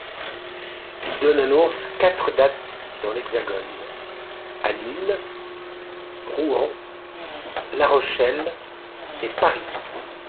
Il donne annonce quatre dates dans l'Hexagone: à Lille, Rouen, La Rochelle et Paris.